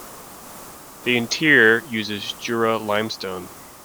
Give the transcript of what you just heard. The interior uses Jura limestone.